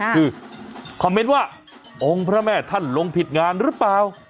คือคอมเมนต์ว่าองค์พระแม่ท่านลงผิดงานหรือเปล่า